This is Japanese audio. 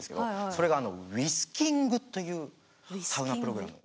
それがウィスキングというサウナプログラム。